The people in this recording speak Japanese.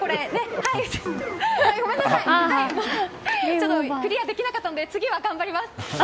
ちょっとクリアできなかったので次は頑張ります。